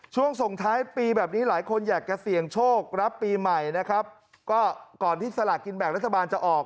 ส่งท้ายปีแบบนี้หลายคนอยากจะเสี่ยงโชครับปีใหม่นะครับก็ก่อนที่สลากกินแบ่งรัฐบาลจะออก